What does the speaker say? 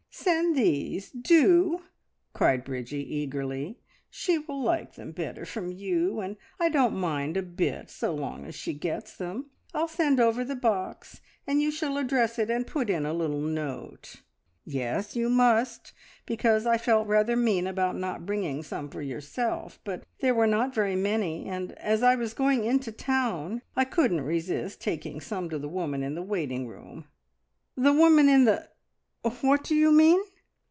"Send these do!" cried Bridgie eagerly. "She will like them better from you, and I don't mind a bit so long as she gets them. I'll send over the box, and you shall address it and put in a little note. Yes, you must, because I felt rather mean about not bringing some for yourself, but there were not very many, and as I was going into town I couldn't resist taking some to the woman in the waiting room." "The woman in the What do you mean?"